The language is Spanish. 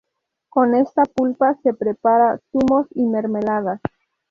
Con esta pulpa se prepara zumos y mermeladas.